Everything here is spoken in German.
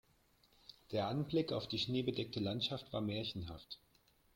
Der Anblick auf die schneebedeckte Landschaft war märchenhaft.